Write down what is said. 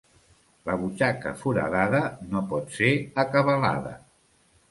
La butxaca foradada no pot ser acabalada.